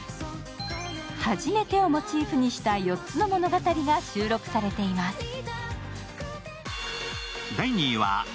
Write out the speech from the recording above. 初めてをモチーフにした４つの物語が収録されています。